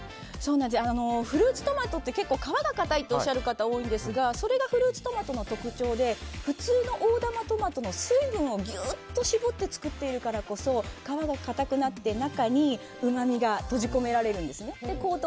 フルーツトマトって皮がかたいとおっしゃる方が多いんですがそれがフルーツトマトの特徴で普通の大玉トマトの水分を、ギュッと絞って作っているからこそ皮が硬くなって、中にうまみが閉じ込められるんですね。